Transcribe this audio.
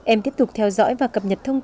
em tiếp tục theo dõi và cập nhật thông tin